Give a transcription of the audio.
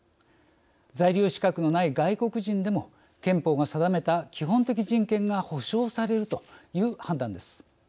在留資格のない外国人でも憲法が定めた基本的人権が保障されるという判断です。